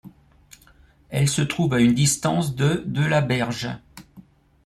Elle se trouve à une distance de de la berge.